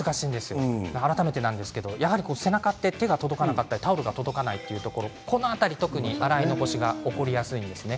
改めて背中って手が届かなかったりタオルが届かないところこの辺り、洗い残しが起こりやすいんですね。